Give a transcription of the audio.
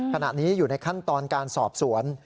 ขณะนี้อยู่ในขั้นตอนการสอบสวน